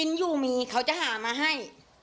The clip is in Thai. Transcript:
อยู่มีเขาจะหามาให้